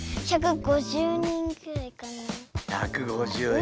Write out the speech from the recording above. １５０人。